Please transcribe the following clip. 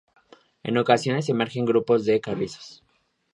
En ocasiones emergen grupos de carrizos.